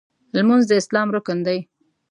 لمونځ د اسلام رکن دی.